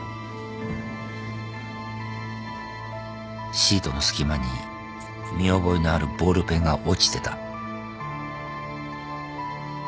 シートの隙間に見覚えのあるボールペンが落ちてた。